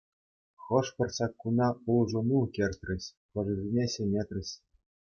Хӑш-пӗр саккуна улшӑну кӗртрӗҫ, хӑшӗсене ҫӗнетрӗҫ.